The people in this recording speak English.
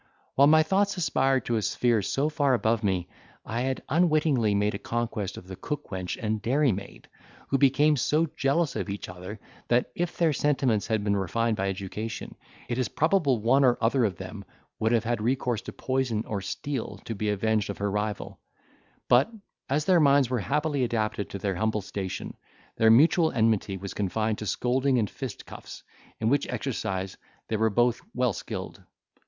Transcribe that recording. While my thoughts aspired to a sphere so far above me, I had unwittingly made a conquest of the cookwench and dairymaid, who became so jealous of each other that, if their sentiments had been refined by education, it is probable one or other of them would have had recourse to poison or steel to be avenged of her rival; but, as their minds were happily adapted to their humble station, their mutual enmity was confined to scolding and fistcuffs, in which exercise they were both well skilled.